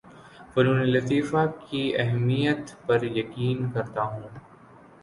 فنون لطیفہ کی اہمیت پر یقین کرتا ہوں